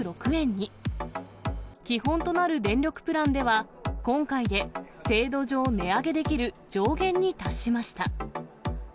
基本となる電力プランでは、今回で制度上値上げできる上限に達しました。